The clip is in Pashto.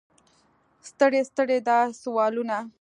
ستړي ستړي دا سوالونه.